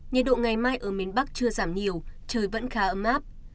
nhiệt độ ngày mai ở miền bắc chưa giảm nhiều trời vẫn khá ấm áp